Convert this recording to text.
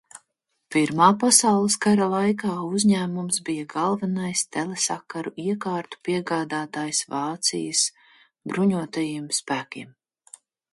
Pirmā pasaules kara laikā uzņēmums bija galvenais telesakaru iekārtu piegādātājs Vācijas bruņotajiem spēkiem.